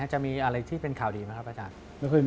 จะมีอะไรที่เป็นข่าวดีไหมครับอาจารย์